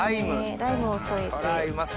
ライムを添えて。